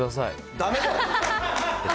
だめだよ！